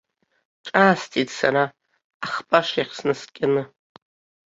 Ҿаасҭит сара, ахпаш иахь снаскьаны.